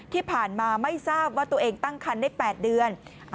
ที่ผ่านมาไม่ทราบว่าตัวเองตั้งคันได้๘เดือน